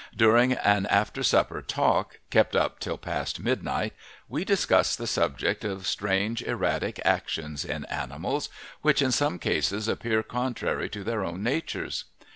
During an after supper talk, kept up till past midnight, we discussed the subject of strange, erratic actions in animals, which in some cases appear contrary to their own natures.